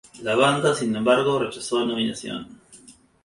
La banda, sin embargo, rechazó a nominación.